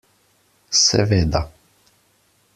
Seveda.